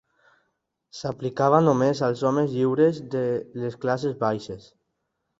S'aplicava només als homes lliures de les classes baixes.